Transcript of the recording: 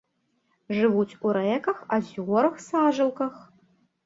Жывуць у рэках, азёрах, сажалках.